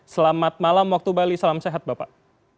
selamat malam waktu bali salam sehat bapak